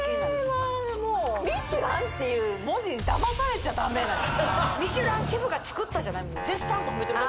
はーもうミシュランっていう文字にだまされちゃダメなやつミシュランシェフが作ったじゃないもん